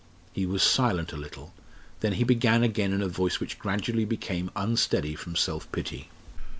He was silent a little, then he began again in a voice which gradually became unsteady from self pity.